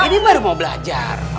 ini baru mau belajar